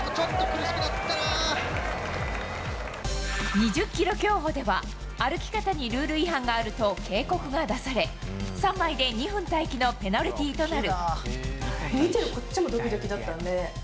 ２０ｋｍ競歩では歩き方にルール違反があると警告が出され３枚で２分待機のペナルティーとなる。